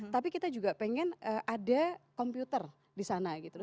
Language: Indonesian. tapi kita juga pengen ada komputer disana gitu